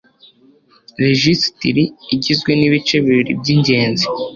rejisitiri igizwe n'ibice bibiri by'ingenzi